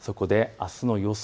あすの予想